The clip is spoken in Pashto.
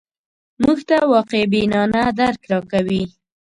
موږ ته واقع بینانه درک راکوي